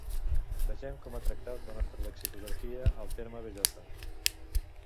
Vegem com ha tractat la nostra lexicografia el terme bellota.